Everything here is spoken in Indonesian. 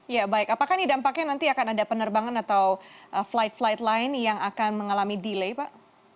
ya baik apakah ini dampaknya nanti akan ada penerbangan atau flight flight lain yang akan mengalami delay pak